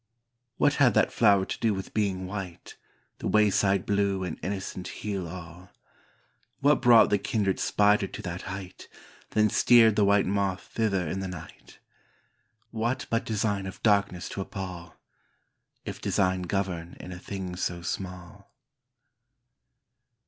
What had that flower to do with being white, The wayside blue and innocent heal all? What brought the kindred spider to that height, Then steered the white moth thither in the night? What but design of darkness to appal? — If design govern in a thing so small.